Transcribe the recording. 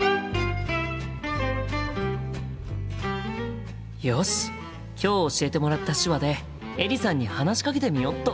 心の声よし今日教えてもらった手話でエリさんに話しかけてみよっと！